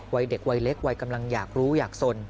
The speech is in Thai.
วัยเด็กวัยเล็กวัยกำลังอยากรู้อยากสน